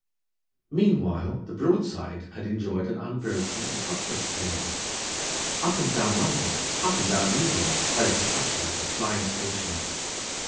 Meanwhile the broadside had enjoyed an unbroken and prosperous career. Up and down London, up and down England, hurried the Patterer or Flying Stationer.